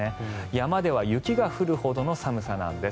山では雪が降るほどの寒さなんです。